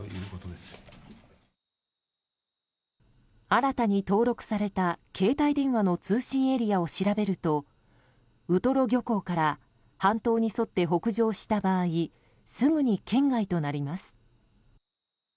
新たに登録された携帯電話の通信エリアを調べるとウトロ漁港から半島に沿って北上した場合すぐに圏外となります。